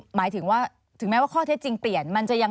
หมายถึงว่าถึงแม้ว่าข้อเทศจริงเปลี่ยน